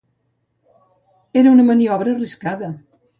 Era una maniobra arriscada.